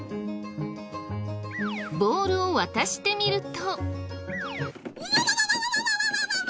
ボールを渡してみると。